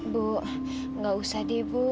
bu gak usah deh ibu